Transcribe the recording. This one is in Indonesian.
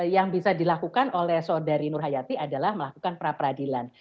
yang bisa dilakukan oleh saudari nur hayati adalah melakukan pra peradilan